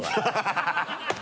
ハハハ